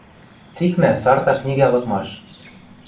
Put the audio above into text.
Цикмӓ «Сарта» книгӓ лыкмаш.